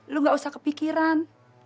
lo gak usah kepikiran